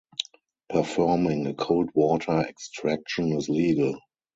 Performing a cold water extraction is legal.